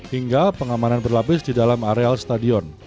hingga pengamanan berlapis di dalam areal stadion